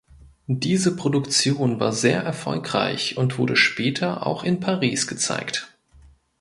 Diese Produktion war sehr erfolgreich und wurde später auch in Paris gezeigt.